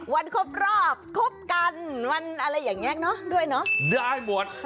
วันคบกันวันแบบนี้ด้วยได้หมด